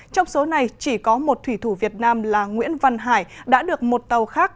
trong số này chỉ có một thủy thủ việt nam là nguyễn văn hải đã được một tàu khác